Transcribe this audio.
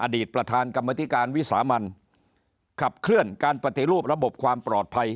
ประธานกรรมธิการวิสามันขับเคลื่อนการปฏิรูประบบความปลอดภัย